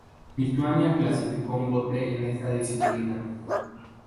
Lituania clasificó un bote en esta disciplina.